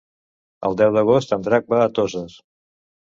El deu d'agost en Drac va a Toses.